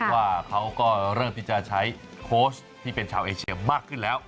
ว่าเขาก็เริ่มที่จะใช้โค้ชที่เป็นชาวเอเชียมากขึ้นแล้ว